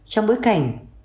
trong bối cảnh